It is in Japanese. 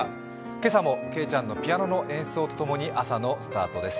今朝もけいちゃんのピアノの演奏とともにスタートです。